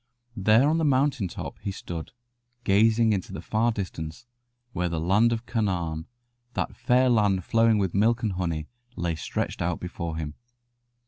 There on the mountain top he stood, gazing into the far distance, where the Land of Canaan, that fair land flowing with milk and honey, lay stretched out before him.